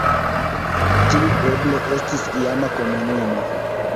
Tiu eble estis iama komunumo.